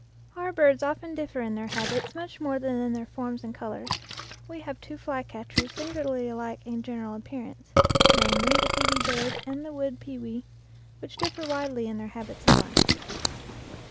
Our birds often differ in their habits much more than in their forms and colors. We have two fly catchers singularly alike in general appearance namely, the phosbe bird and the wood pewee which differ widely in their habits of life.